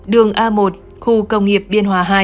đường a một khu công nghiệp biên hòa hai